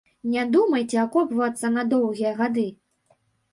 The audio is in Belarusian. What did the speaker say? Не думайце акопвацца на доўгія гады!